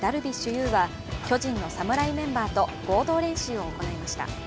有は巨人の侍メンバーと合同練習を行いました。